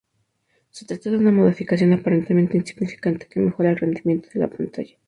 Se trata de una modificación aparentemente insignificante, que mejora el rendimiento de la pantalla.